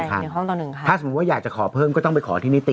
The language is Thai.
อยู่ในห้องตอนหนึ่งค่ะถ้าสมมุติว่าอยากจะขอเพิ่มก็ต้องไปขอที่นิติ